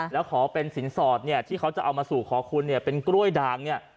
แล้วขอเป็นสินสอดที่เขาจะเอามาสู่ขอคุณเป็นกล้วยด่าง